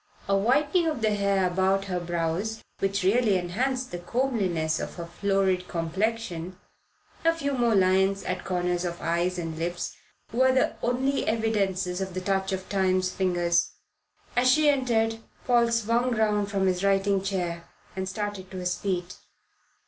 A whitening of the hair about her brows, which really enhanced the comeliness of her florid complexion, a few more lines at corners of eyes and lips, were the only evidences of the touch of Time's fingers. As she entered Paul swung round from his writing chair and started to his feet.